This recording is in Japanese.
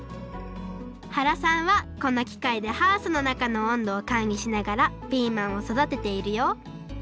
原さんはこのきかいでハウスのなかのおんどをかんりしながらピーマンをそだてているよ